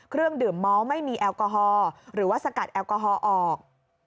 เครื่องดื่มเมาส์ไม่มีแอลกอฮอล์หรือว่าสกัดแอลกอฮอล์ออก